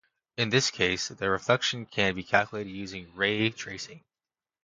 In this case the reflection can be calculated using ray tracing.